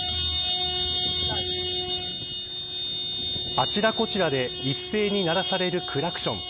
あちらこちらで一斉に鳴らされるクラクション。